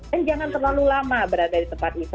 dan jangan terlalu lama berada di tempat wisata